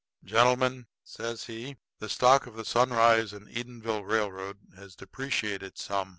"Gentlemen," says he, "the stock of the Sunrise & Edenville railroad has depreciated some.